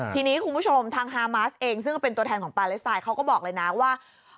ทีนี้คุณผู้ชมทางฮามาสเองซึ่งก็เป็นตัวแทนของปาเลสไตล์เขาก็บอกเลยนะว่า